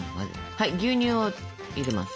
はい牛乳を入れます。